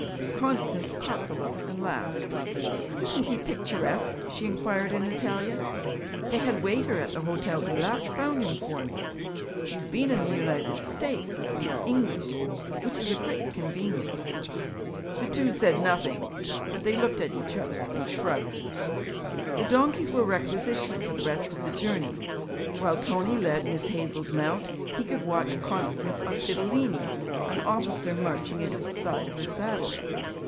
Constance caught the look and laughed. 'Isn't he picturesque?' she inquired in Italian. 'The head waiter at the Hotel du Lac found him for me. He has been in the United States and speaks English, which is a great convenience.' The two said nothing, but they looked at each other and shrugged. The donkeys were requisitioned for the rest of the journey; while Tony led Miss Hazel's mount, he could watch Constance ahead on Fidilini, an officer marching at each side of her saddle.